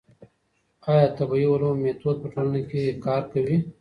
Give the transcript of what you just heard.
ايا د طبيعي علومو ميتود په ټولنه کي کار کوي؟